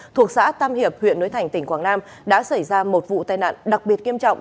thuộc xã tam hiệp huyện núi thành tỉnh quảng nam đã xảy ra một vụ tai nạn đặc biệt nghiêm trọng